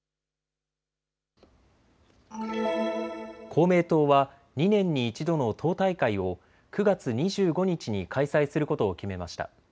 公明党は２年に１度の党大会を９月２５日に開催することを決めました。